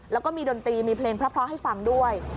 แล้วก็มีดนตรีมีเพลงเพราะให้ฟังด้วย